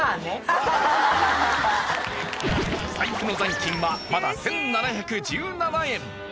財布の残金はまだ１７１７円